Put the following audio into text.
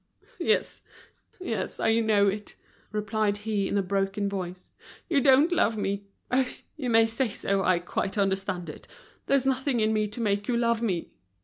"Yes, yes. I know it," replied he in a broken voice, "you don't love me. Oh! you may say so, I quite understand it. There's nothing in me to make you love me.